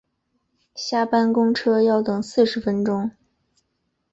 下班公车要等四十分钟